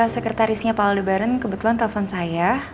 sekretarisnya pak aldebaran kebetulan telfon saya